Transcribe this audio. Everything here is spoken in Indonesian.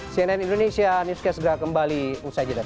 cnn indonesia newscast segera kembali usai jeda